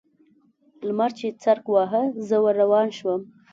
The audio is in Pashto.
لمر چې څرک واهه؛ زه ور روان شوم.